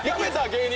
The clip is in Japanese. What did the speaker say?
芸人。